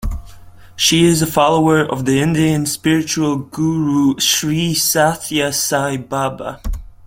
She is a follower of the Indian spiritual guru Sri Sathya Sai Baba.